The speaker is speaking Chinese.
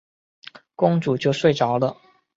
公主就睡着了。